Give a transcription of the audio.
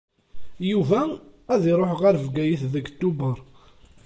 Yuba ad iṛuḥ ɣer Bgayet deg Tubeṛ.